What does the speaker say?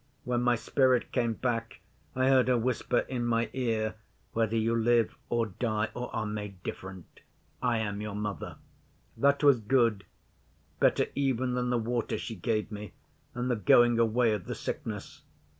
When my spirit came back I heard her whisper in my ear, "Whether you live or die, or are made different, I am your Mother." That was good better even than the water she gave me and the going away of the sickness.